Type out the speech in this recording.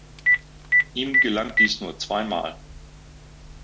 Ihm gelang dies nur zweimal.